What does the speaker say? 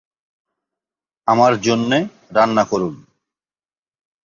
আমার জন্য রান্না করুন।